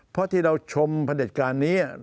เพราะที่เราชมพระเด็จการนี้